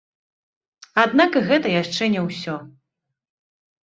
Аднак і гэта яшчэ не ўсё.